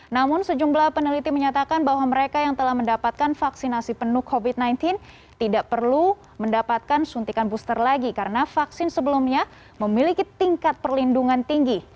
namun sejumlah peneliti menyatakan bahwa mereka yang telah mendapatkan vaksinasi penuh covid sembilan belas tidak perlu mendapatkan suntikan booster lagi karena vaksin sebelumnya memiliki tingkat perlindungan tinggi